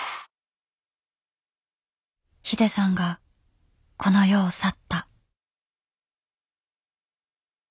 ＨＩＤＥさんがこの世を去った。